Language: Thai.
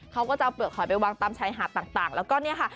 เขาก็จะเอาเปลือกหอยไปวางตามชายหาดต่างแล้วก็เนี่ยค่ะ